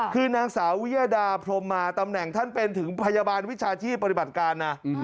คือนางสาววิยดาพรมมาตำแหน่งท่านเป็นถึงพยาบาลวิชาชีพปฏิบัติการนะ